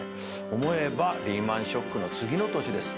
思えばリーマンショックの次の年です。